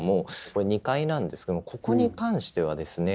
これ２階なんですけどもここに関してはですね